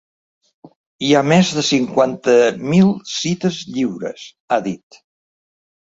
“Hi ha més de cinquanta mil cites lliures”, ha dit.